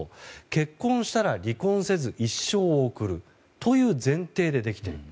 結婚したら離婚せず一生を送るという前提でできている。